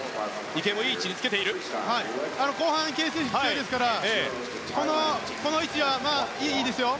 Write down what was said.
後半池江選手強いですからこの位置はいいですよ。